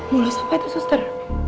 mulai sampai tuh suster